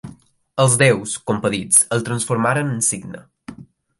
Els déus, compadits, el transformaren en cigne.